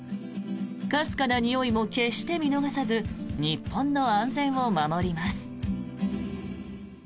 かすかなにおいも決して見逃さず日本の安全を守ります。